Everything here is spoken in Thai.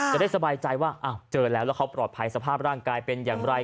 จะได้สบายใจว่าเจอแล้วแล้วเขาปลอดภัยสภาพร่างกายเป็นอย่างไร